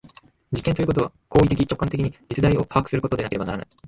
実験ということは行為的直観的に実在を把握することでなければならない。